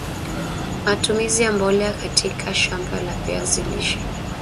matumizi ya mbolea katika shamba la viazi lishe